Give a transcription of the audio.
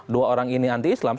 dua orang ini anti islam